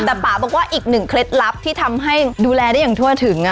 แต่ป่าบอกว่าอีกหนึ่งเคล็ดลับที่ทำให้ดูแลได้อย่างทั่วถึง